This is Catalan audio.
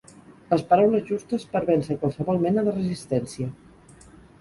Les paraules justes per vèncer qualsevol mena de resistència.